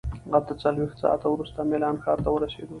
اته څلوېښت ساعته وروسته میلان ښار ته ورسېدو.